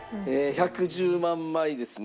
１１０万枚ですね。